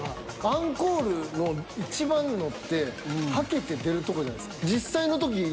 アンコールのいちばんのってハケて出るとこじゃないですか。